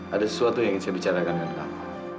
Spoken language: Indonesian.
ada sesuatu yang ingin saya bicarakan dengan kami